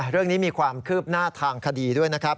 เรื่องนี้มีความคืบหน้าทางคดีด้วยนะครับ